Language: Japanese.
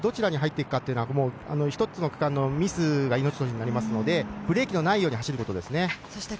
どちらに入っていくか、一つの区間のミスが命取りになりますので、ブレーキのないように走ることですね。